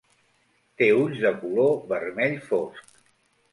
Té ulls de color vermell fosc.